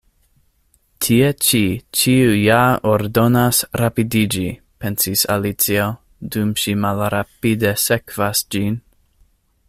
"Tie ĉi ĉiu ja ordonas rapidiĝi," pensis Alicio, dum ŝi malrapide sekvas ĝin.